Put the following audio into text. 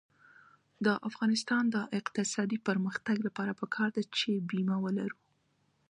د افغانستان د اقتصادي پرمختګ لپاره پکار ده چې بیمه ولرو.